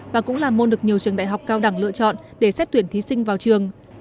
và cũng là môn được nhiều trường đại học cao đẳng lựa chọn để xét tuyển thí sinh vào trường